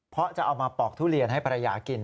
เพราะจะเอามาปอกทุเรียนให้ภรรยากิน